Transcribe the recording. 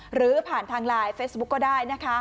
หรือผ่านทางไลน์เฟซบุ๊คก็ได้นะคะ